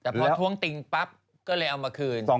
แต่พอท้วงติงปั๊บก็เลยเอามาคืน